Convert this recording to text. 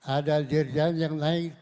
ada dirjen yang naik